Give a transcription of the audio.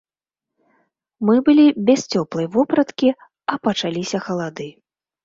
Мы былі без цёплай вопраткі, а пачаліся халады.